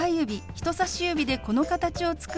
人さし指でこの形を作り